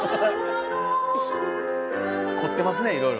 凝ってますねいろいろ。